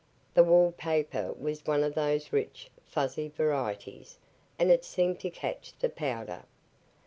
The wall paper was one of those rich, fuzzy varieties and it seemed to catch the powder.